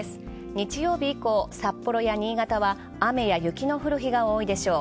日曜日以降、札幌や新潟は雨や雪の降る日が多いでしょう。